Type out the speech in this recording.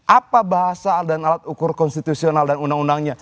apa bahasa dan alat ukur konstitusional dan undang undangnya